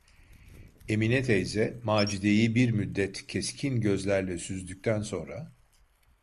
Emine teyze Macide’yi bir müddet keskin gözlerle süzdükten sonra: